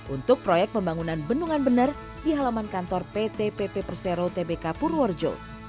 untuk proyek pembangunan bendungan bener di halaman kantor pt pp persero tbk purworejo